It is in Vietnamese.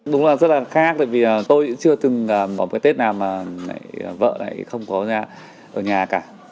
đúng là rất là khác tại vì tôi chưa từng có một cái tết nào mà vợ lại không có nhà ở nhà cả